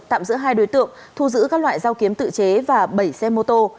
tạm giữ hai đối tượng thu giữ các loại dao kiếm tự chế và bảy xe mô tô